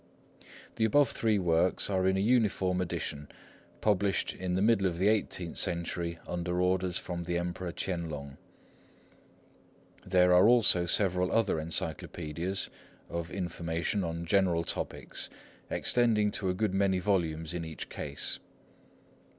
The above three works are in a uniform edition, published in the middle of the eighteenth century under orders from the Emperor Ch'ien Lung. There are also several other encyclopædias of information on general topics, extending to a good many volumes in each case.